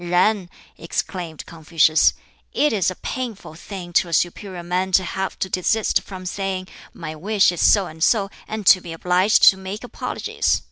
"Yen!" exclaimed Confucius, "it is a painful thing to a superior man to have to desist from saying, 'My wish is so and so,' and to be obliged to make apologies.